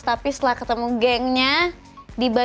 tapi setelah ketemu gengnya dia merasa